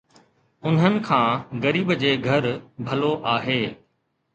انهن کان غريب جي گهر ڀلو آهي